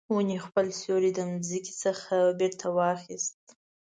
ونې خپل سیوری د مځکې څخه بیرته واخیست